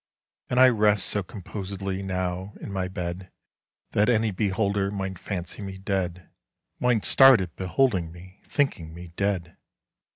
And I rest so composedlyNow, in my bed, That any beholderMight fancy me dead—Might start at beholding me, Thinking me dead.